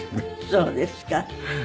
そうですか。